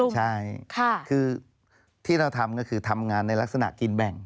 ใช่คือที่เราทำก็คือทำงานในลักษณะกินแบ่ง